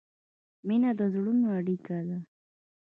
مینه د زړونو اړیکه ده.